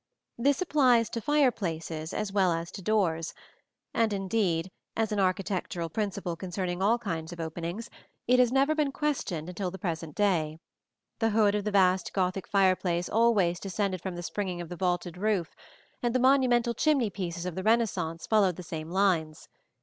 This applies to fireplaces as well as to doors, and, indeed, as an architectural principle concerning all kinds of openings, it has never been questioned until the present day. The hood of the vast Gothic fireplace always descended from the springing of the vaulted roof, and the monumental chimney pieces of the Renaissance followed the same lines (see Plate XX).